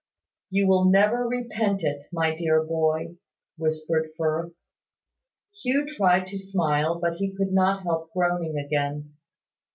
"You will never repent it, my dear boy," whispered Firth. Hugh tried to smile, but he could not help groaning again.